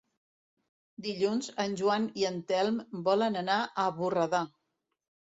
Dilluns en Joan i en Telm volen anar a Borredà.